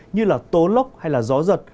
như là tố lốc hay là gió giật